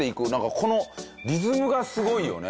このリズムがすごいよね。